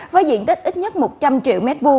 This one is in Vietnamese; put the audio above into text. với diện tích ít nhất một trăm linh triệu m hai